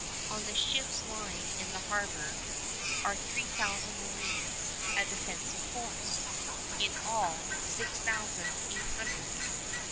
On the ships lying in the harbor are three thousand marines, a defensive force, in all, of six thousand eight hundred.